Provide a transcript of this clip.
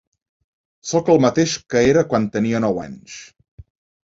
Sóc el mateix que era quan tenia nou anys.